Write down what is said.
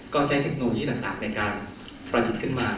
ก็ใช้เทคโนโลยีต่างในการประดิษฐ์ขึ้นมา